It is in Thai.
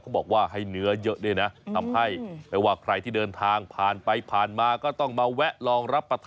จริงสิคุณจะเป็นอะไรล่ะยังลบหรอ